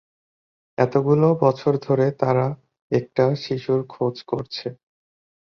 এতগুলো বছর ধরে তারা একটা শিশুর খোঁজ করছে।